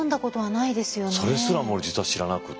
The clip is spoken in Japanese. それすらも実は知らなくって。